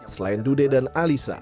selain duda dan alisa